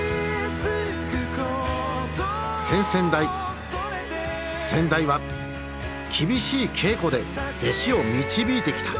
先々代先代は厳しい稽古で弟子を導いてきた。